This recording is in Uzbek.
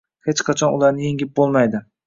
hech qachon ularni yengib bo‘lmaydi.